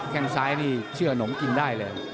แค่งซ้ายนี่เชื่อหนมกินได้เลย